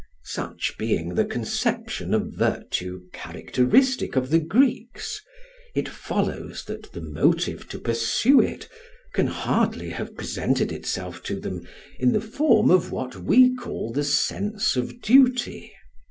Such being the conception of virtue characteristic of the Greeks, it follows that the motive to pursue it can hardly have presented itself to them in the form of what we call the "sense of duty."